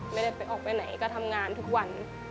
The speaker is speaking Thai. ไม่ได้ไปออกไปไหนก็ทำงานทุกวัน